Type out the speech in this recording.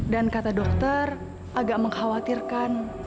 dan kata dokter agak mengkhawatirkan